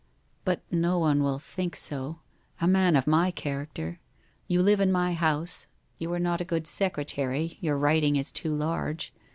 'But no one will think so. A man of my character! You live in my house, you are not a good secretary, your writing is too large.